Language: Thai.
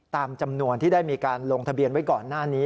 ตามจำนวนที่ได้มีการลงทะเบียนไว้ก่อนหน้านี้